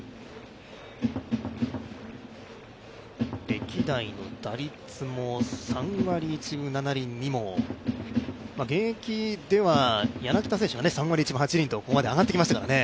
歴代の打率も３割１分７厘、現役では柳田選手が３割８分１厘と上ってきましたからね。